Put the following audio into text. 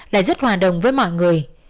là rất hòa đồng với mọi người